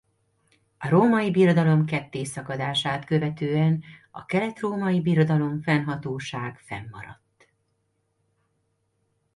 A Római Birodalom kettészakadását követően a Keletrómai Birodalom fennhatóság fennmaradt.